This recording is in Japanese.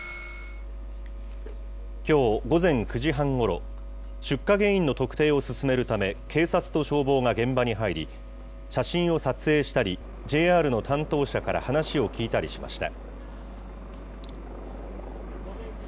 きょう午前９時半ごろ、出火原因の特定を進めるため、警察と消防が現場に入り、写真を撮影したり、ＪＲの担当者から話を聴いたりしました。